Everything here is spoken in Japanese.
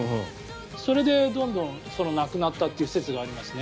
それでどんどんなくなったという説がありますね。